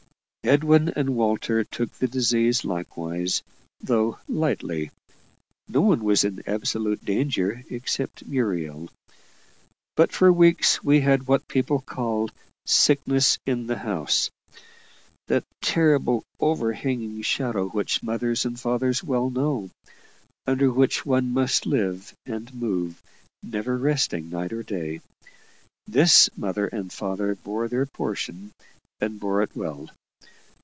Edwin and Walter took the disease likewise, though lightly. No one was in absolute danger except Muriel. But for weeks we had what people call "sickness in the house;" that terrible overhanging shadow which mothers and fathers well know; under which one must live and move, never resting night nor day. This mother and father bore their portion, and bore it well.